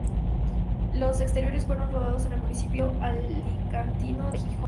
Los exteriores fueron rodados en el municipio alicantino de Jijona.